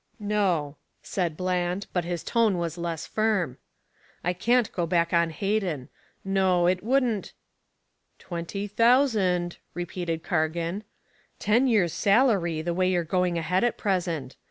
"No," said Bland, but his tone was less firm. "I can't go back on Hayden. No it wouldn't " "Twenty thousand," repeated Cargan. "Ten years' salary the way you're going ahead at present.